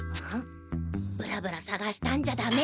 ブラブラさがしたんじゃダメ！